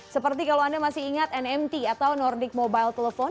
seperti kalau anda masih ingat nmt atau nordic mobile telepon